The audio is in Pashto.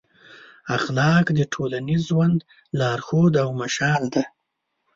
اخلاق د ټولنیز ژوند لارښود او مشال دی.